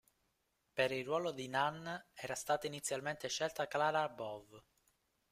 Per il ruolo di Nan era stata inizialmente scelta Clara Bow.